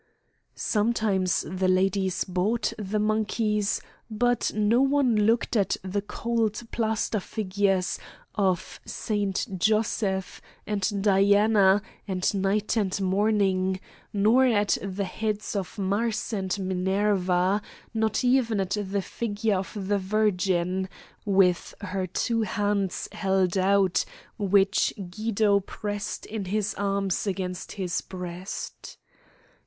Sometimes the ladies bought the monkeys, but no one looked at the cold plaster figures of St. Joseph, and Diana, and Night and Morning, nor at the heads of Mars and Minerva not even at the figure of the Virgin, with her two hands held out, which Guido pressed in his arms against his breast.